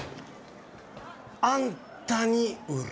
あんたに売る。